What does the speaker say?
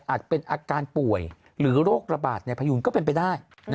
เป็นอาการป่วยหรือโรคระบาดในพยูนก็เป็นไปได้